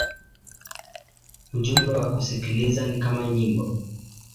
Ujumbe wa kusikiliza ni kama nyimbo.